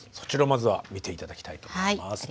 まずは見て頂きたいと思います。